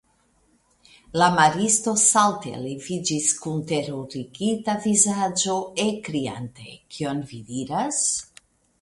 La maristo salte leviĝis kun terurigita vizaĝo, ekkriante:Kion vi diras!